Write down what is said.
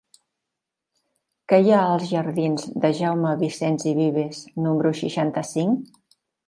Què hi ha als jardins de Jaume Vicens i Vives número seixanta-cinc?